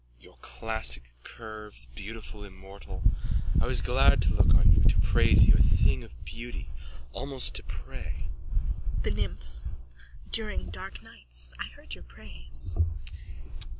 _ Your classic curves, beautiful immortal, I was glad to look on you, to praise you, a thing of beauty, almost to pray. THE NYMPH: During dark nights I heard your praise.